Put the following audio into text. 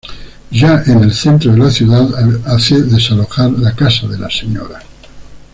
Ya en el centro de la ciudad, hace desalojar la casa de la Sra.